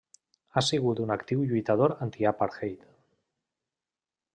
Ha sigut un actiu lluitador antiapartheid.